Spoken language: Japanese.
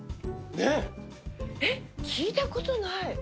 えっ聞いたことない。